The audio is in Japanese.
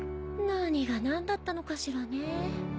何が何だったのかしらね。